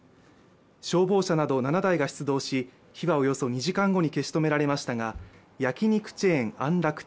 消防車など７台が出動し、火はおよそ２時間後に消し止められましたが、焼き肉チェーン安楽亭